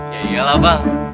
ya iyalah bang